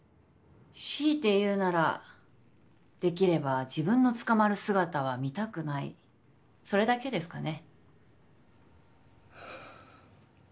強いて言うならできれば自分の捕まる姿は見たくないそれだけですかね